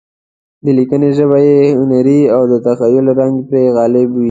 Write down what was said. د لیکنې ژبه یې هنري او د تخیل رنګ پرې غالب وي.